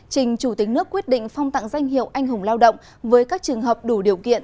trình chủ tịch nước quyết định phong tặng danh hiệu anh hùng lao động với các trường hợp đủ điều kiện